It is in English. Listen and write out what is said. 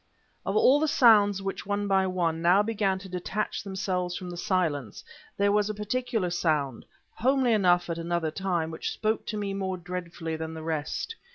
Of all the sounds which, one by one, now began to detach themselves from the silence, there was a particular sound, homely enough at another time, which spoke to me more dreadfully than the rest.